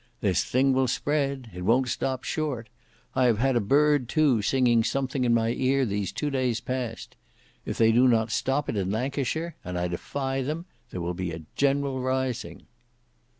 This thing will spread. It won't stop short. I have had a bird too singing something in my ear these two days past. If they do not stop it in Lancashire, and I defy them, there will be a general rising."